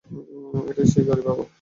এটাই সেই গাড়ি বাবা।